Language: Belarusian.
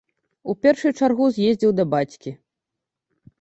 У першую чаргу з'ездзіў да бацькі.